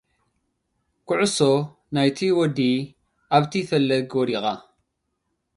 ክዑሶ ናይቲ ወዲ ኣብቲ ፈለግ ወዲቓ።